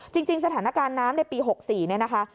จริงสถานการณ์น้ำในปี๖๔เนี่ยนะคะ